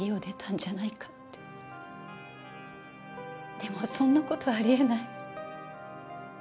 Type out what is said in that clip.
でもそんな事あり得ない。